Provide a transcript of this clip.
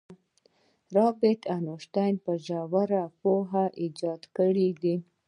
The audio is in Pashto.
البرت انیشټین په ژوره پوهه ایجاد کړی دی.